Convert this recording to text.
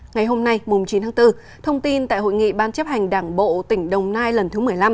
ngày hôm nay chín tháng bốn thông tin tại hội nghị ban chấp hành đảng bộ tỉnh đồng nai lần thứ một mươi năm